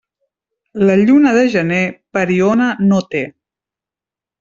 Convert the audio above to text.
La lluna de gener, pariona no té.